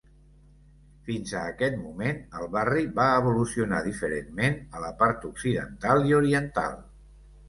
Fins a aquest moment, el barri va evolucionar diferentment a la part occidental i oriental.